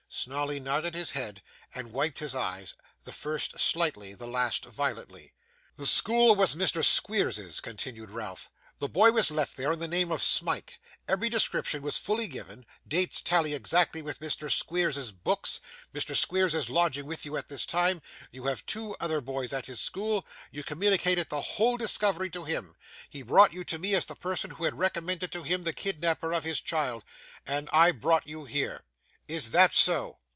Snawley nodded his head, and wiped his eyes; the first slightly, the last violently. 'The school was Mr. Squeers's,' continued Ralph; 'the boy was left there in the name of Smike; every description was fully given, dates tally exactly with Mr. Squeers's books, Mr. Squeers is lodging with you at this time; you have two other boys at his school: you communicated the whole discovery to him, he brought you to me as the person who had recommended to him the kidnapper of his child; and I brought you here. Is that so?